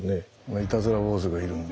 いたずら坊主がいるんで。